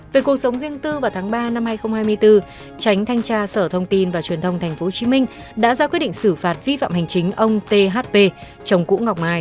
về cuộc sống riêng tư vào tháng ba năm hai nghìn hai mươi bốn tránh thanh tra sở thông tin và truyền thông tp hcm đã ra quyết định xử phạt vi phạm hành chính ông thp chồng cũ ngọc mai